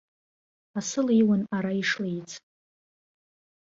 Асы леиуан ара ишлеиц.